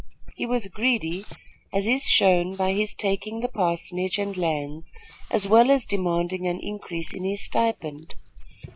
He was greedy, as is shown by his taking the parsonage and lands as well as demanding an increase in his stipend.